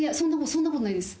そんな事ないです。